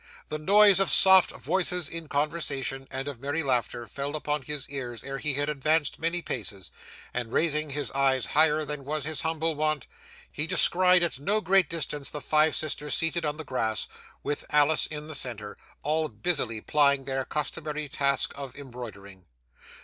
The noise of soft voices in conversation, and of merry laughter, fell upon his ears ere he had advanced many paces; and raising his eyes higher than was his humble wont, he descried, at no great distance, the five sisters seated on the grass, with Alice in the centre: all busily plying their customary task of embroidering.